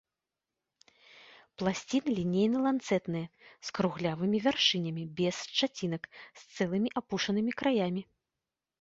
Пласціны лінейна-ланцэтныя, з круглявымі вяршынямі без шчацінак, з цэлымі апушанымі краямі.